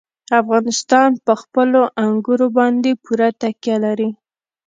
افغانستان په خپلو انګورو باندې پوره تکیه لري.